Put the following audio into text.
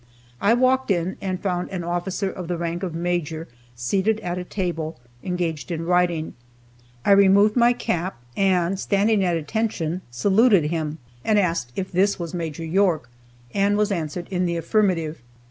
I walked in, and found an officer of the rank of Major seated at a table, engaged in writing. I removed my cap and, standing at attention, saluted him, and asked if this was Maj. York, and was answered in the affirmative.